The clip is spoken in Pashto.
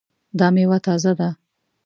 دا میوه تازه ده؟